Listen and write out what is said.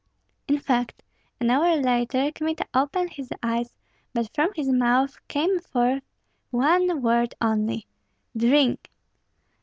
In fact, an hour later, Kmita opened his eyes; but from his mouth came forth one word only, "Drink!"